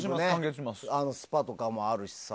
スパとかもあるしさ。